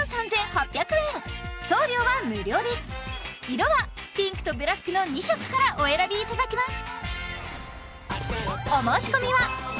色はピンクとブラックの２色からお選びいただけます